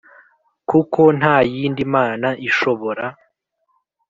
L kuko nta yindi mana ishobora